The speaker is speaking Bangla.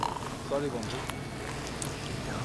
সরি, বন্ধু।